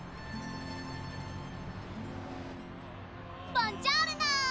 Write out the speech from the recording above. ボンジョールノ！